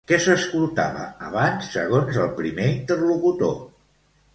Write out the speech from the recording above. Què s'escoltava abans segons el primer interlocutor?